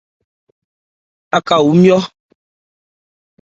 Aká wu Nmɔyo.